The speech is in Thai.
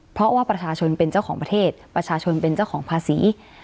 เพราะว่าประชาชนเป็นเจ้าของประเทศประชาชนเป็นเจ้าของภาษี